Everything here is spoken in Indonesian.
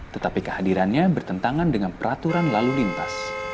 tetapi kehadirannya bertentangan dengan peraturan lalu lintas